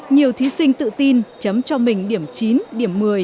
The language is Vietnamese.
nhiều thí sinh tự tin chấm cho mình điểm chín điểm một mươi